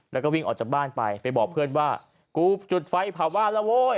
แล้วก็วิ่งออกจากบ้านไปไปบอกเพื่อนว่ากูจุดไฟเผาบ้านแล้วโว้ย